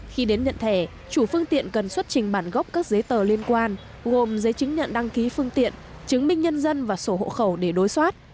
khi đến nhận thẻ chủ phương tiện cần xuất trình bản gốc các giấy tờ liên quan gồm giấy chứng nhận đăng ký phương tiện chứng minh nhân dân và sổ hộ khẩu để đối soát